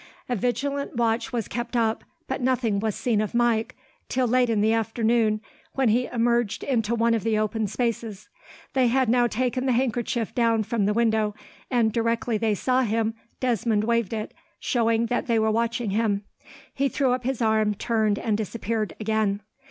A vigilant watch was kept up, but nothing was seen of Mike, till late in the afternoon, when he emerged into one of the open spaces. They had now taken the handkerchief down from the window, and, directly they saw him, Desmond waved it, showing that they were watching him. He threw up his arm, turned, and disappeared again.